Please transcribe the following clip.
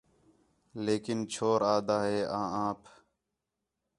لیکن چھور آھدا ہِے آں آپ